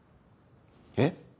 えっ？